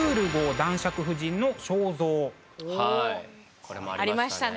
これもありましたね。